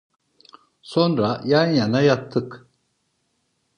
Sonra yan yana yattık…